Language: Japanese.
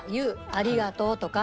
「ありがとう」とか。